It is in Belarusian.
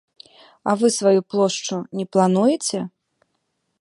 А вы сваю плошчу не плануеце?